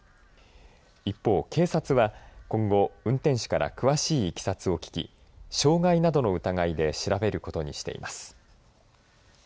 一方、警察は今後運転手から詳しいいきさつを聞き傷害などの疑いで調べることにしています。